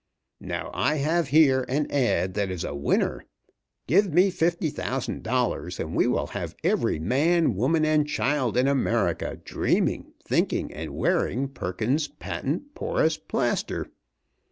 Now I have here an ad. that is a winner. Give me fifty thousand dollars, and we will have every man, woman, and child in America dreaming, thinking, and wearing Perkins's Patent Porous Plaster.